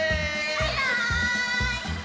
バイバーイ！